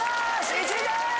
１位です！